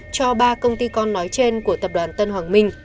cho ba công ty con nói trên của tập đoàn tân hoàng minh